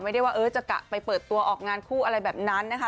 ว่าจะกะไปเปิดตัวออกงานคู่อะไรแบบนั้นนะคะ